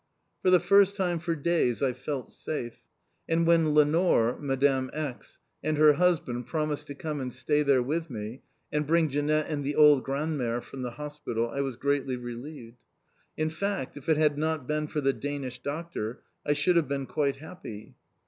For the first time for days I felt safe, and when Lenore (Madame X.) and her husband promised to come and stay there with me, and bring Jeanette and the old grandmère from the hospital I was greatly relieved. In fact if it had not been for the Danish Doctor I should have been quite happy.